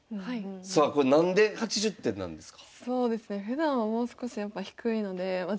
さあこれ何で８０点なんですか？